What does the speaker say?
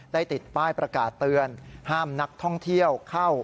ติดป้ายประกาศเตือนห้ามนักท่องเที่ยวเข้า